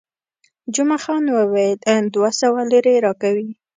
جمعه خان وویل، دوه سوه لیرې راکوي.